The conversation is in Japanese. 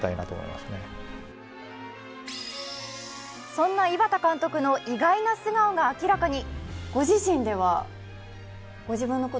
そんな井端監督の意外な素顔が明らかに。